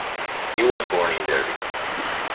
He was born in Derby.